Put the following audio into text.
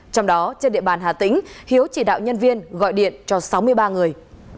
trong đó trên địa bàn hà tĩnh hiếu chỉ đạo nhân viên gọi điện cho sáu mươi ba người